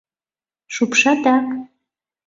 — Шупшатак?